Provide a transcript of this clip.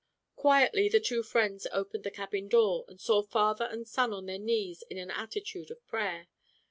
Quietly the two friends opened the cabin door and saw father and son on their knees in an attitude of prayer.